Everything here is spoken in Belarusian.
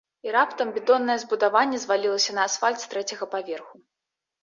І раптам бетоннае збудаванне звалілася на асфальт з трэцяга паверху.